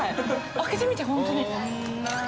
開けてみて本当に。